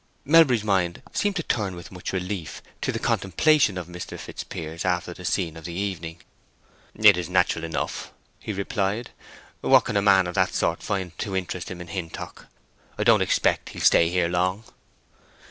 Melbury's mind seemed to turn with much relief to the contemplation of Mr. Fitzpiers after the scenes of the evening. "It is natural enough," he replied. "What can a man of that sort find to interest him in Hintock? I don't expect he'll stay here long."